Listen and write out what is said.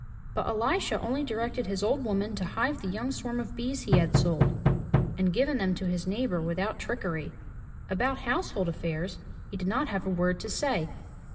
But Elisha only directed his old woman to hive the young swarm of bees he had sold, and given them to his neighbor without trickery. About household affairs he did not have a word to say.